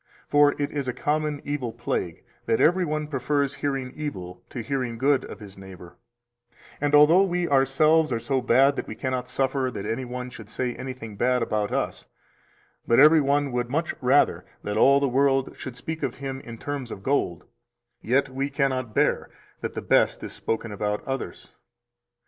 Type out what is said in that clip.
For it is a common evil plague that every one prefers hearing evil to hearing good of his neighbor; and although we ourselves are so bad that we cannot suffer that any one should say anything bad about us, but every one would much rather that all the world should speak of him in terms of gold, yet we cannot bear that the best is spoken about others.